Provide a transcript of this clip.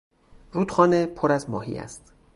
رودخانه پر از ماهی است.